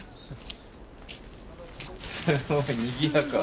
すごいにぎやか。